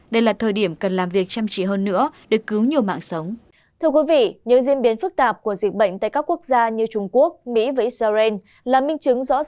đây là thời điểm cần làm việc chăm chỉ hơn nữa để cứu nhiều mạng sống